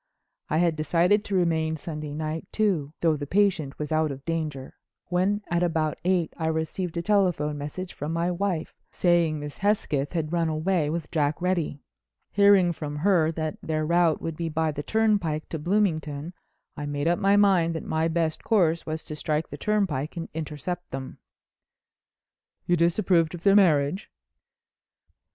I had decided to remain Sunday night too—though the patient was out of danger—when at about eight I received a telephone message from my wife saying Miss Hesketh had run away with Jack Reddy. Hearing from her that their route would be by the turnpike to Bloomington I made up my mind that my best course was to strike the turnpike and intercept them." "You disapproved of their marriage?"